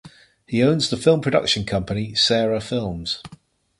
He owns the film production company "Sarah Films".